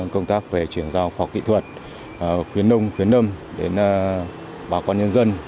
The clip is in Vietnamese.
công tác về chuyển giao khoa học kỹ thuật khuyến nông khuyến nâm đến bà con nhân dân